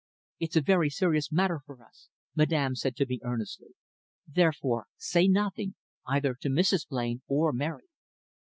`It's a very serious matter for us,' Madame said to me earnestly. `Therefore say nothing, either to Mrs. Blain or Mary.'